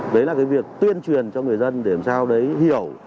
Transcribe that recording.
đấy là cái việc tuyên truyền cho người dân để làm sao đấy hiểu